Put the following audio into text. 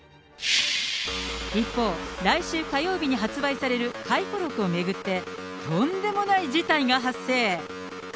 一方、来週火曜日に発売される回顧録を巡って、とんでもない事態が発生。